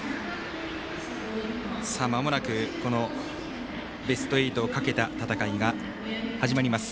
まもなく、このベスト８をかけた戦いが始まります。